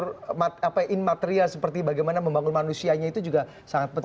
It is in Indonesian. faktor in material seperti bagaimana membangun manusianya itu juga sangat penting